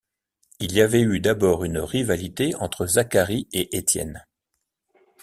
Il y avait eu d’abord une rivalité entre Zacharie et Étienne.